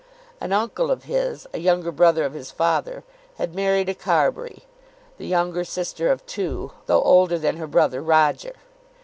An uncle of his, a younger brother of his father, had married a Carbury, the younger sister of two, though older than her brother Roger.